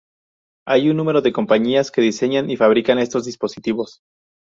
Hay un número de compañías que diseñan y fabrican estos dispositivos.